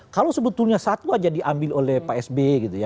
kalau sebetulnya satu aja diambil oleh pak sby gitu ya